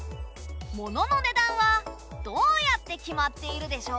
物の値段はどうやって決まっているでしょうか？